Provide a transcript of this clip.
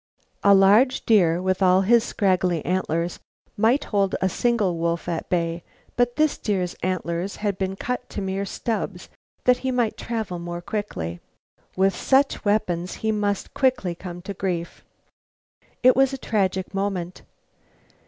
A large deer with all his scraggly antlers might hold a single wolf at bay, but this deer's antlers had been cut to mere stubs that he might travel more lightly. With such weapons he must quickly come to grief. It was a tragic moment.